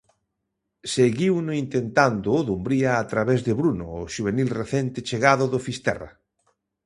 Seguiuno intentando o Dumbría a través de Bruno, o xuvenil recente chegado do Fisterra.